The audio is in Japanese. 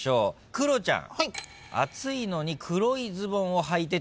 クロちゃん。